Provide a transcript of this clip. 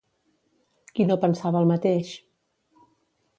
Qui no pensava el mateix?